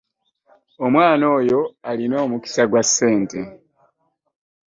Omwana oyo alina omukisa gwa ssente.